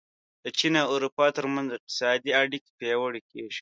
د چین او اروپا ترمنځ اقتصادي اړیکې پیاوړې کېږي.